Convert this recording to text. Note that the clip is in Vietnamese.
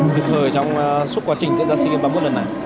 kịp thời trong suốt quá trình diễn ra sigem ba mươi một lần này